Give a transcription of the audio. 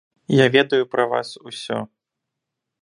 Я ведаю пра вас усё.